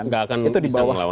nggak akan bisa melawan ahok